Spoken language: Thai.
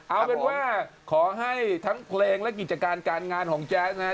เอาเป็นว่าขอให้ทั้งเพลงและกิจการการงานของแจ๊สนะฮะ